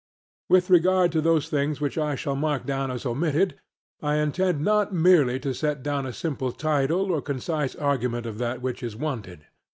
With regard to those things which I shall mark down as omitted, I intend not merely to set down a simple title or a concise argument of that which is wanted.